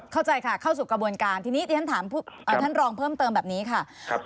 เข้าใจค่ะเข้าสู่กระบวนการทีนี้ที่ฉันถามท่านรองเพิ่มเติมแบบนี้ค่ะ